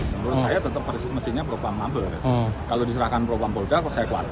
menurut saya tetap mesinnya propam mabes kalau diserahkan propam polda saya kuat